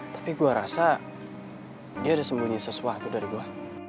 tapi gue rasa dia ada sembunyi sesuatu dari gue